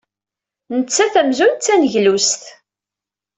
Nettat amzun d tangellust.